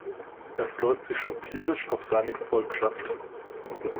Er freut sich schon tierisch auf seine Gefolgschaft.